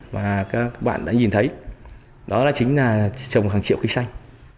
và các bạn đã nhìn thấy đó chính là trồng hàng triệu khí xanh